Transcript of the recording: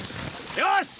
よし！